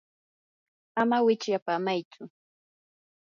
ama wichyapamaytsu.